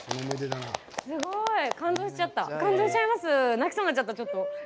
泣きそうになっちゃった、ちょっと。